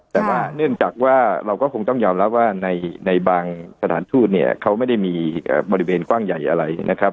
แต่ว่าเนื่องจากว่าเราก็คงต้องยอมรับว่าในบางสถานทูตเนี่ยเขาไม่ได้มีบริเวณกว้างใหญ่อะไรนะครับ